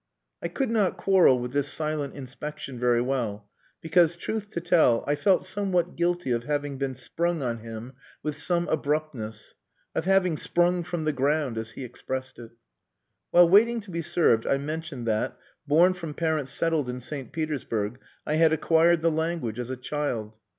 I could not quarrel with this silent inspection very well, because, truth to tell, I felt somewhat guilty of having been sprung on him with some abruptness of having "sprung from the ground," as he expressed it. While waiting to be served I mentioned that, born from parents settled in St. Petersburg, I had acquired the language as a child.